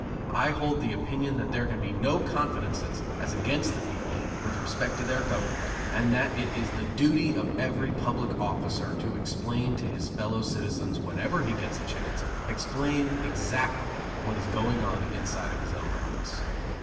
I hold the opinion that there can be no confidences as against the people with respect to their government, and that it is the duty of every public officer to explain to his fellow citizens whenever he gets a chance, explain exactly what is going on inside of his own office.